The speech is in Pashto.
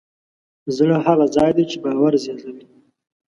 زړه هغه ځای دی چې باور زېږوي.